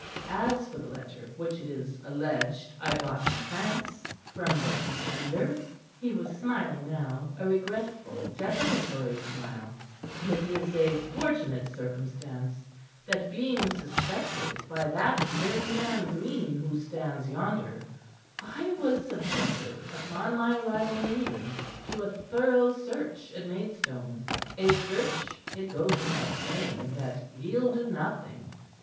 "As for the letter which it is alleged I brought from France from the Pretender," he was smiling now, a regretful, deprecatory smile, "it is a fortunate circumstance that, being suspected by that very man Green, who stands yonder, I was subjected, upon my arrival in England, to a thorough search at Maidstone a search, it goes without saying, that yielded nothing.